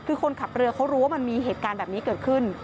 คือคนขับเรือเขารู้ว่ามันมีเหตุการณ์แบบนี้เกิดขึ้น